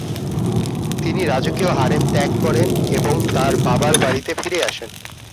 তিনি রাজকীয় হারেম ত্যাগ করেন এবং তার বাবার বাড়িতে ফিরে আসেন।